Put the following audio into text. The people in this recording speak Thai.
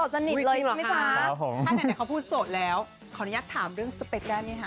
โสดสนิทเลยใช่ไหมคะถ้าเมื่อกี้เขาพูดโสดแล้วขออนุญาตถามเรื่องสเปคได้มั้ยคะ